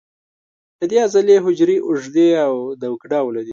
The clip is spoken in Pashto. د دې عضلې حجرې اوږدې او دوک ډوله دي.